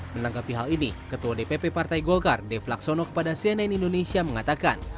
menanggapi hal ini ketua dpp partai golkar dev laksono kepada cnn indonesia mengatakan